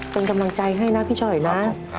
เป็นกำลังใจให้นะพี่ฉอยนะ